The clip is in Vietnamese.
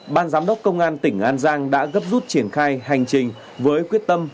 ban giám đốc công an tỉnh an giang đã gấp rút triển khai hành trình với quyết tâm